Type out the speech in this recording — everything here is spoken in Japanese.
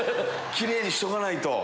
キレイにしとかないと。